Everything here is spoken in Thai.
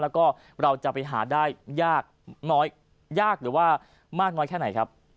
แล้วก็เราจะไปหาได้ยากน้อยยากหรือว่ามากน้อยแค่ไหนครับ